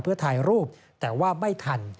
เพื่อถ่ายรูปแต่ว่าไม่ทัน